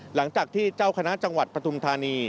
หลังจากที่เจ้าคณะจังหวัดปฐุมธานี